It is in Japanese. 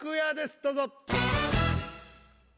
どうぞ。